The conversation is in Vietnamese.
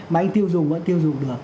mà anh tiêu dùng vẫn tiêu dùng được